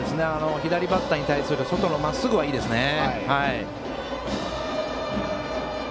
左バッターに対する外のまっすぐはいいですね。